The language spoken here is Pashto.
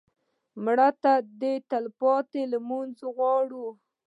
مړه ته د دعا تلپاتې لمونځونه غواړو